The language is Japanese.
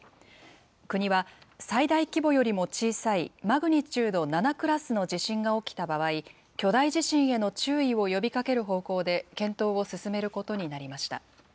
国は、最大規模よりも小さいマグニチュード７クラスの地震が起きた場合、巨大地震への注意を呼びかける方向で検討を進めることになりました。